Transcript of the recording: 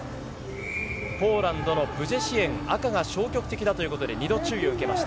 ポーランドのブジェシエン、赤が消極的だということで２度注意を受けました。